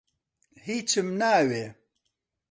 هیچم ناوێ.